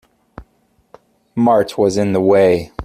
Marthe was in the way.